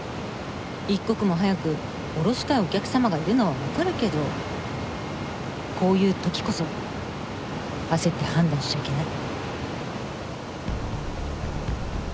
一刻も早く降ろしたいお客様がいるのはわかるけどこういう時こそ焦って判断しちゃいけない。